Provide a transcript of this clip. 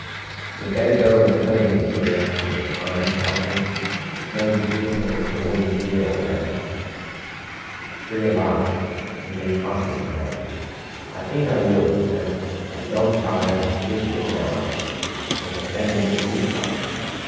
"You had better go and turn in, Frere," said Pine gruffly. "It's no use whistling for a wind here all day." Frere laughed in his heartiest manner. "I think I will," he said. "I'm dog tired, and as sleepy as an owl," and he descended the poop ladder.